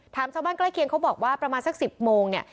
ชาวบ้านใกล้เคียงเขาบอกว่าประมาณสัก๑๐โมงเนี่ย